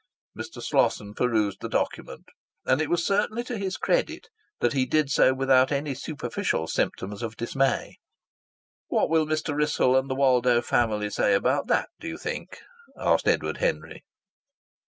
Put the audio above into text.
Mr. Slosson perused the document; and it was certainly to his credit that he did so without any superficial symptoms of dismay. "What will Mr. Wrissell and the Woldo family say about that, do you think?" asked Edward Henry.